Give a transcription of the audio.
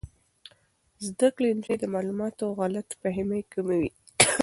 زده کړې نجونې د معلوماتو غلط فهمۍ کموي.